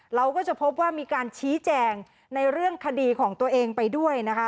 เราก็จะพบว่ามีการชี้แจงในเรื่องคดีของตัวเองไปด้วยนะคะ